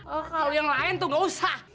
oh kalau yang lain tuh gak usah